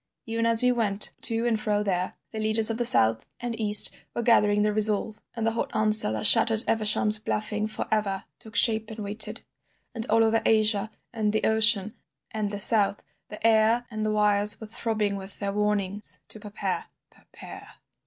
Even as we went to and fro there, the leaders of the south and east were gathering their resolve, and the hot answer that shattered Evesham's bluffing for ever, took shape and waited. And, all over Asia, and the ocean, and the South, the air and the wires were throbbing with their warnings to prepare—prepare.